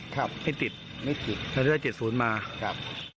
ครับไม่ติดโดยได้๗๐มาครับ